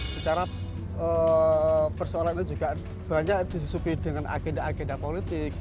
secara persoalan itu juga banyak disusupi dengan agenda agenda politik